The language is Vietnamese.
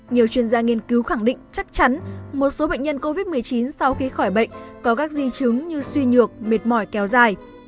nhiều chuyên gia nghiên cứu khẳng định chắc chắn một số bệnh nhân covid một mươi chín sau khi khỏi bệnh có các di chứng như suy nhược mệt mỏi kéo dài